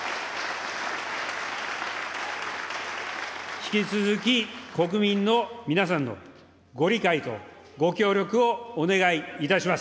引き続き、国民の皆さんのご理解とご協力をお願いいたします。